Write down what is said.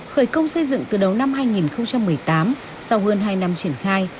khởi công xây dựng từ đầu năm hai nghìn một mươi tám sau hơn hai năm triển khai